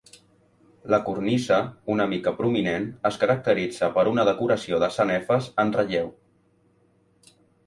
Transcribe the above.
La cornisa, una mica prominent, es caracteritza per una decoració de sanefes en relleu.